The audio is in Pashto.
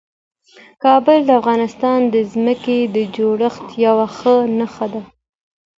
کابل د افغانستان د ځمکې د جوړښت یوه ښه نښه ده.